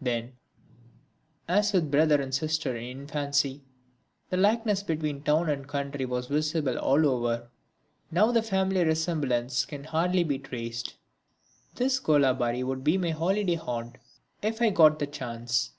Then, as with brother and sister in infancy, the likeness between town and country was visible all over. Now the family resemblance can hardly be traced. This golabari would be my holiday haunt if I got the chance.